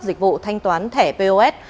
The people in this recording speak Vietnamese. dịch vụ thanh toán thẻ pos